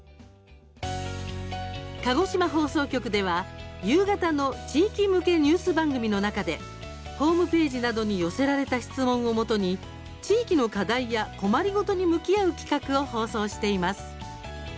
鹿児島放送局では夕方の地域向けニュース番組の中で、ホームページなどに寄せられた質問をもとに地域の課題や困りごとに向き合う企画を放送しています。